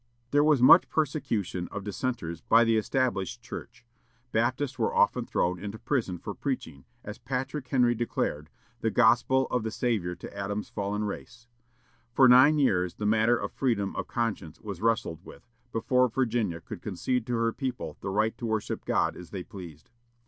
There was much persecution of Dissenters by the Established Church. Baptists were often thrown into prison for preaching, as Patrick Henry declared, "the Gospel of the Saviour to Adam's fallen race." For nine years the matter of freedom of conscience was wrestled with, before Virginia could concede to her people the right to worship God as they pleased.